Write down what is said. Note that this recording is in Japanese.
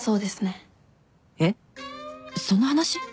えっその話？